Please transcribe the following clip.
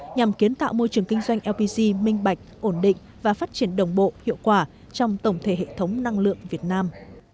nhằm kiến tạo môi trường kinh doanh lpg minh bạch ổn định và phát triển đồng bộ hiệu quả trong tổng thể hệ thống năng lượng việt nam